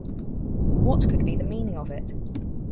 What could be the meaning of it?